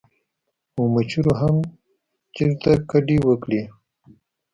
او مچرو هم چرته کډې وکړې ـ